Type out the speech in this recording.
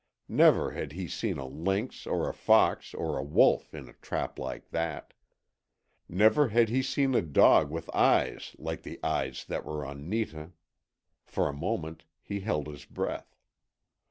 Never had he seen a lynx or a fox or a wolf in a trap like that. Never had he seen a dog with eyes like the eyes that were on Netah. For a moment he held his breath.